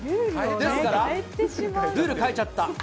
ですから、ルール変えちゃった。